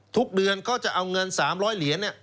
ทุกเดือนก็จะเอาเงิน๓๐๐เหรียนเนี้ย